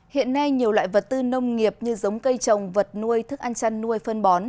hiện nay nhiều loại vật tư nông nghiệp như giống cây trồng vật nuôi thức ăn chăn nuôi phân bón